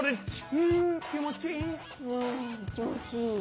うんきもちいいねっ。